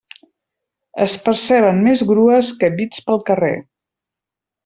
Es perceben més grues que bits pel carrer.